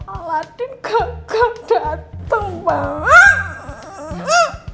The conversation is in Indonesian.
aladin kagak dateng banget